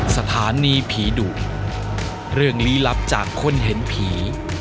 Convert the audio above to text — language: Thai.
สถานีผีดุเรื่องลี้ลับจากคนเห็นผี